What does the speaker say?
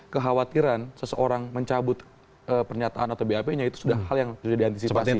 kekhawatiran seseorang mencabut pernyataan atau bap nya itu sudah hal yang sudah diantisipasi